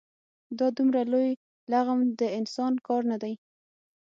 دا دومره لوی لغم د انسان کار نه دی.